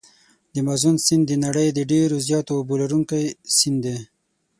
د مازون سیند د نړۍ د ډېر زیاتو اوبو لرونکي سیند دی.